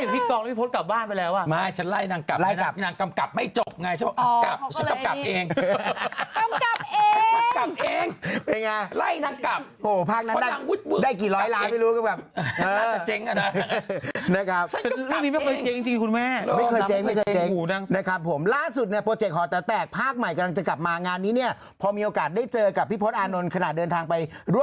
พี่เบ้ยเห็นพี่กรองแล้วพี่พลสกลับบ้านไปแล้ว